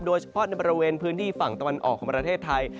โดยเฉพาะในบริเวณพื้นที่ฝั่งตะวันออกของประเทศไทย